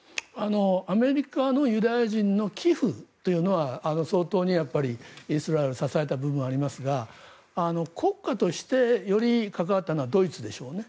アメリカのユダヤ人の寄付というのは相当にイスラエルを支えた部分はありますが国家として、より関わったのはドイツでしょうね。